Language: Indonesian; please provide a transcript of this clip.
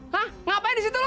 hah ngapain di situ lu